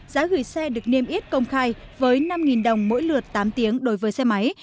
giá gửi xe được niêm yết công khai với năm đồng mỗi lượt tám tiếng đối với xe máy